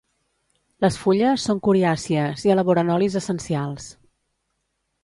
Les fulles són coriàcies i elaboren olis essencials.